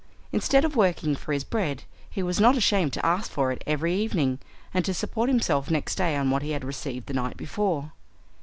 Instead of working for his bread he was not ashamed to ask for it every evening, and to support himself next day on what he had received the night before.